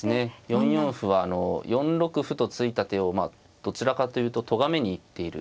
４四歩はあの４六歩と突いた手をどちらかというととがめに行っている。